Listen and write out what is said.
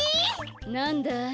なんだい？